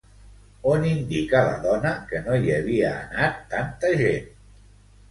On indica la dona que no hi havia anat tanta gent?